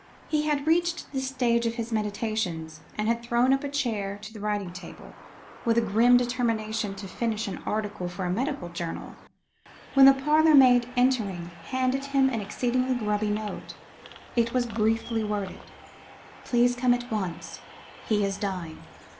He had reached this stage of his meditations, and had drawn up a chair to the writing table, with a grim determination to finish an article for a medical journal, when the parlourmaid entering, handed him an exceedingly grubby note. It was briefly worded "Please come at once. He is dying."